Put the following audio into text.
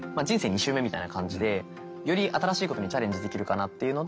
２周目みたいな感じでより新しいことにチャレンジできるかなっていうので。